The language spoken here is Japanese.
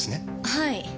はい。